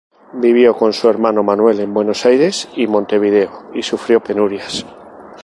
Vivió con su hermano Manuel en Buenos Aires y Montevideo y sufrió penurias.